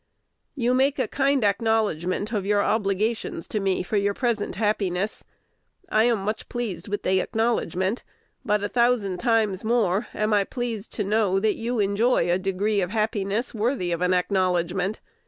You make a kind acknowledgment of your obligations to me for your present happiness. I am much pleased with that acknowledgment. But a thousand times more am I pleased, to know that you enjoy a degree of happiness worthy of an acknowledgment.